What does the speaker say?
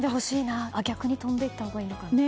あ、逆に飛んでいったほうがいいのかな？